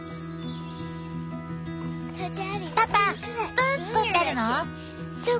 パパスプーン作ってるの？